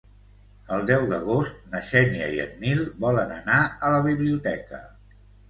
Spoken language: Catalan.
El deu d'agost na Xènia i en Nil volen anar a la biblioteca.